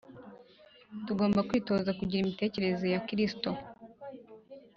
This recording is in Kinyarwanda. tugomba kwitoza kugira imitekerereze ya kristo